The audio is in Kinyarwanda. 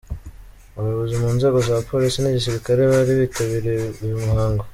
Abayobozi mu nzego za polisi n'igisirikali bari bitabiriye uyu muhango.